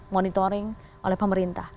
monitoring oleh pemerintah